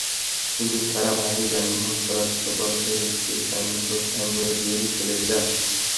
কিন্তু তাঁরা ভারী যানবাহন চলাচল বন্ধের একটি সাইনবোর্ড টাঙিয়ে দিয়েই চলে যান।